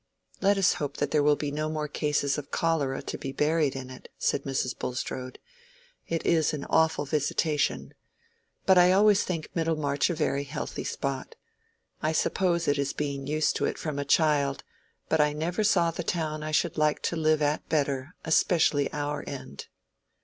"Let us hope that there will be no more cases of cholera to be buried in it," said Mrs. Bulstrode. "It is an awful visitation. But I always think Middlemarch a very healthy spot. I suppose it is being used to it from a child; but I never saw the town I should like to live at better, and especially our end."